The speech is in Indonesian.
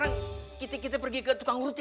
sekarang kita pergi ke tukang urut